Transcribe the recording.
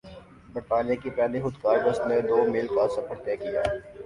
برطانیہ کی پہلی خودکار بس نے دو میل کا سفر طے کیا